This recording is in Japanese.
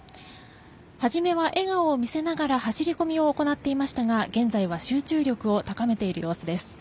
初めは笑顔を見せながら走り込みを行っていましたが現在は集中力を高めている様子です。